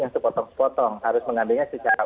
yang sepotong sepotong harus mengambilnya secara